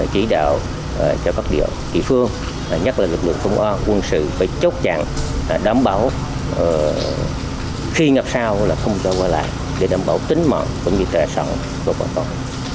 chỉ đạo cho các địa phương nhất là lực lượng công an quân sự phải chốt chặn đảm bảo khi ngập sâu là không cho qua lại để đảm bảo tính mộng cũng như kẻ sống của quản quốc